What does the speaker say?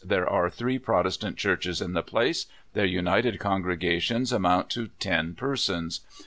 There are three Protestant Churches in the place. Their united congre gations amount to ten persons.